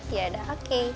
ya udah oke